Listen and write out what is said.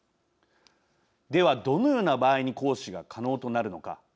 では、どのような場合に行使が可能となるのか。